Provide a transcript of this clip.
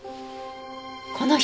この人。